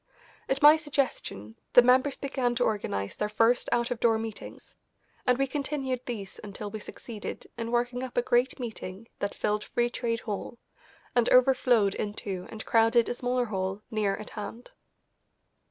At my suggestion the members began to organise their first out of door meetings, and we continued these until we succeeded in working up a great meeting that filled Free Trade Hall, and overflowed into and crowded a smaller hall near at hand.